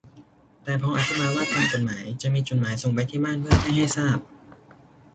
แต่พออธิบายว่าตามกฎหมายจะมีจดหมายส่งไปที่บ้านเพื่อแจ้งให้ทราบ